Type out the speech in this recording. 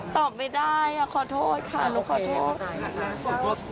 ตอบไม่ได้ขอโทษค่ะหนูขอโทษนะคะ